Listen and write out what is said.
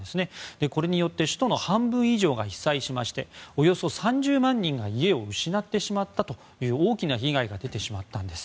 これによって首都の半分以上が被災しましておよそ３０万人が家を失ってしまったという大きな被害が出てしまったんです。